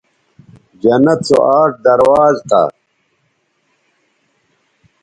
جنت سو آٹھ درواز تھا